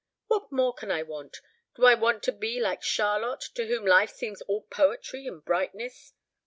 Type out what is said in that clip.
What more can I want? Do I want to be like Charlotte, to whom life seems all poetry and brightness?"